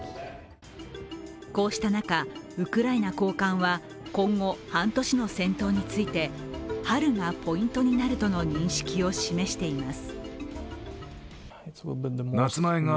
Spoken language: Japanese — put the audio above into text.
こうした中、ウクライナ高官は今後半年の戦闘について春がポイントになるとの認識を示しています。